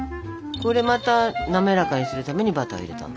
これまた滑らかにするためにバターを入れたの。